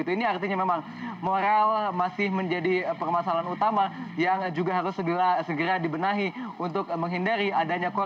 ini artinya memang moral masih menjadi permasalahan utama yang juga harus segera dibenahi untuk menghindari adanya korban